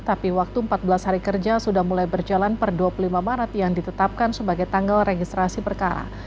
tapi waktu empat belas hari kerja sudah mulai berjalan per dua puluh lima maret yang ditetapkan sebagai tanggal registrasi perkara